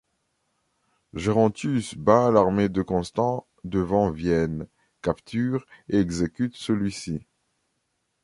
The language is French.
Gerontius bat l’armée de Constant devant Vienne, capture et exécute celui-ci.